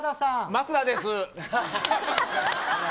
増田です。